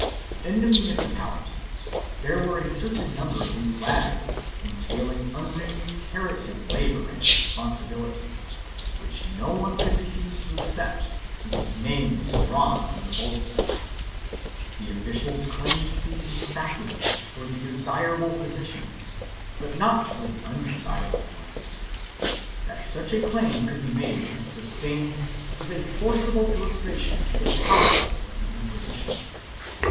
In the municipalities there were a certain number of these latter, entailing unremunerative labor and responsibility, which no one could refuse to accept when his name was drawn from the bolsa. The officials claimed to be insaculated for the desirable positions but not for the undesirable ones. That such a claim could be made and sustained is a forcible illustration of the power of the Inquisition.